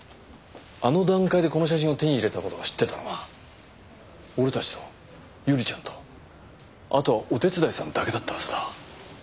あの段階でこの写真を手に入れたことを知ってたのは俺たちと百合ちゃんとあとはお手伝いさんだけだったはずだ